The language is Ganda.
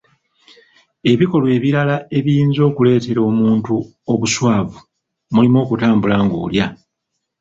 Ebikolwa ebirala ebiyinza okuleetera omuntu obuswavu mulimu okutambula ng'olya.